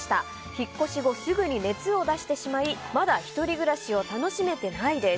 引っ越し後すぐに熱を出してしまいまだ１人暮らしを楽しめてないです。